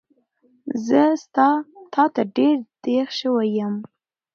زه ستا تاته ډېر دیغ شوی یم